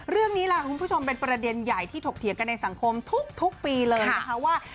เรื่องนี้ล่ะคุณผู้ชมเป็นประเด็นใหญ่ที่ถกเถียงกันในสังคมทุกปีเลยนะคะว่า